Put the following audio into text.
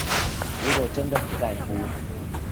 如果真的很在乎